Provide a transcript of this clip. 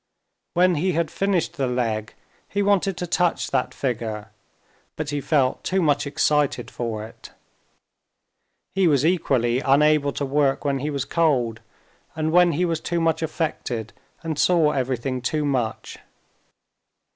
When he had finished the leg he wanted to touch that figure, but he felt too much excited for it. He was equally unable to work when he was cold and when he was too much affected and saw everything too much.